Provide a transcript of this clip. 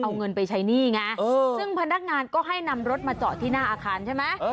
เอาเงินไปใช้หนี้ไงซึ่งพนักงานก็ให้นำรถมาจอดที่หน้าอาคารใช่ไหม